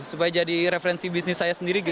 supaya jadi referensi bisnis saya sendiri